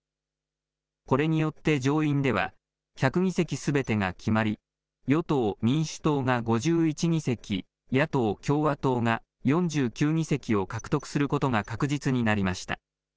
これによって上院では、１００議席すべてが決まり、与党・民主党が５１議席、野党・共和党が４９議席を獲得することが確実になりました。